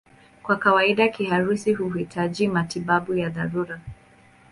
Kwa kawaida kiharusi huhitaji matibabu ya dharura.